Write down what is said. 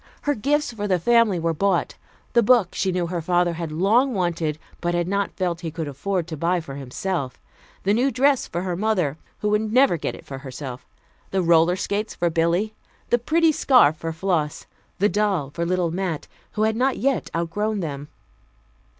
Her gifts for the family were bought the book she knew her father had long wanted but had not felt he could afford to buy for himself; the new dress for her mother, who would never get it for herself; the roller skates for Billy, the pretty scarf for Floss, the doll for little Mat, who had not yet outgrown them.